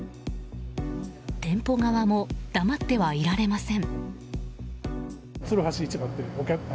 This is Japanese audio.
店舗側も黙ってはいられません。